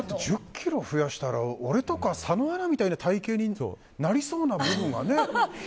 １０ｋｇ増やしたら俺とかみたいな体形になりそうな部分もね。